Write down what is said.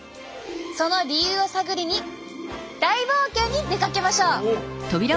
その理由を探りに大冒険に出かけましょう！